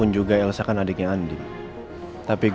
lu ga usah dibimbing